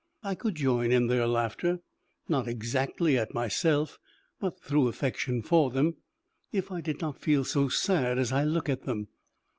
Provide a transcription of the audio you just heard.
I could join in their laughter not exactly at myself, but through affection for them, if I did not feel so sad as I look at them.